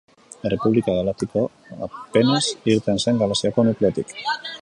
Errepublika Galaktikoa apenas irten zen galaxiako nukleotik.